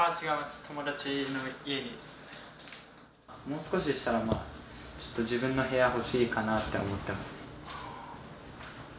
もう少ししたらまあちょっと自分の部屋欲しいかなって思ってます。